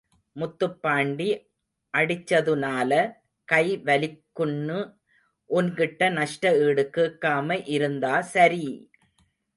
முத்துப் பாண்டி அடிச்சதுனால கை வலிக்குன்னு உன்கிட்ட நஷ்ட ஈடு கேக்காம இருந்தா சரி!